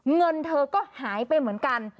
เงินเธอก็หายไปเหมือนกัน